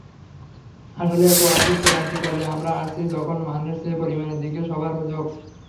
আসলেই একটা অদ্ভুত ক্রান্তিকালে আমরা আছি যখন মানের চেয়ে পরিমাণের দিকেই সবার ঝোঁক।